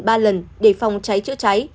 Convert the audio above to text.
ba lần để phòng cháy chữa cháy